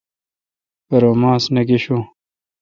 پرہ ماس نہ گشون۔